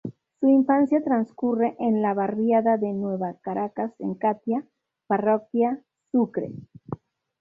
Su infancia trascurre en la barriada de Nueva Caracas en Catia, parroquia Sucre.